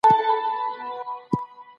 خلک د وتلو هڅه کوي.